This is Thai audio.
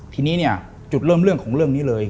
ทีนี้เนี่ยจุดเริ่มเรื่องของเรื่องนี้เลย